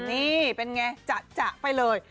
นี่เป็นไงจะไปเลย